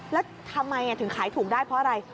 แล้วทำไมถึงขายถูกได้เพราะอะไร